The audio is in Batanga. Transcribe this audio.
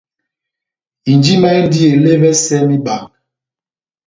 Injima indi ele ́evɛsɛ mebanga.